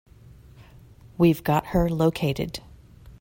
We've got her located.